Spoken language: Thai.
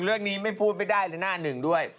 เรื่องนี้ไม่พูดไม่ได้เลยหน้าหนึ่งด้วย